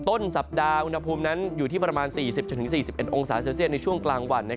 ต้นสัปดาห์อุณหภูมินั้นอยู่ที่ประมาณ๔๐๔๑องศาเซลเซียตในช่วงกลางวัน